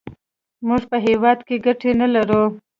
موږ په هېواد کې ګټې نه لرو.